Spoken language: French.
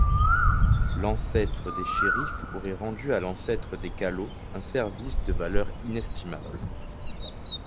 L’ancêtre des Cherif aurait rendu à l’ancêtre des Kallo un service de valeur inestimable.